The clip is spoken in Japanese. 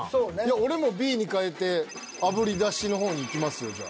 俺もＢに変えてあぶり出しの方にいきますじゃあ。